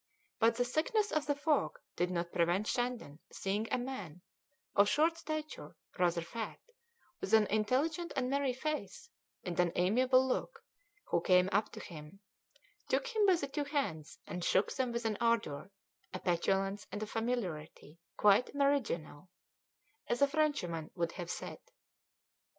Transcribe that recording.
But the thickness of the fog did not prevent Shandon seeing a man of short stature, rather fat, with an intelligent and merry face and an amiable look, who came up to him, took him by the two hands, and shook them with an ardour, a petulance, and a familiarity "quite meridional," as a Frenchman would have said.